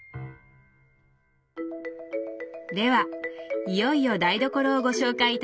ではいよいよ台所をご紹介頂けますか。